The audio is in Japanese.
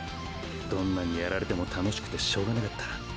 どんなにやられても楽しくてしようがなかった。